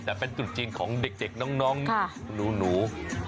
แต่เป็นจุดจีนของเด็กน้องหนู